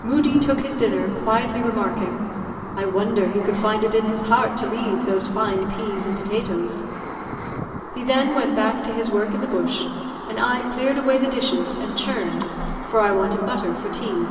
Moodie took his dinner, quietly remarking, "I wonder he could find it in his heart to leave those fine peas and potatoes." He then went back to his work in the bush, and I cleared away the dishes, and churned, for I wanted butter for tea.